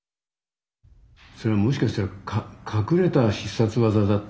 それはもしかしたら隠れた必殺技だってね